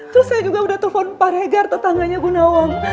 terus saya juga udah telepon pak regar tetangganya gunawan